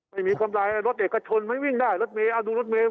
ไม่มีกำไรรถเอกชนไม่วิ่งได้รถเมย์ดูรถเมย์